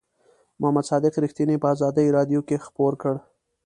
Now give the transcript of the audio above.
محمد صادق رښتیني په آزادۍ رادیو کې خپور کړ.